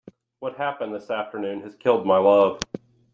What happened this afternoon has killed my love.